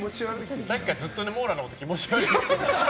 さっきからずっとモーラーのこと気持ち悪いって言ってる。